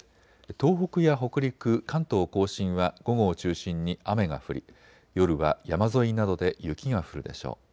東北や北陸、関東甲信は午後を中心に雨が降り夜は山沿いなどで雪が降るでしょう。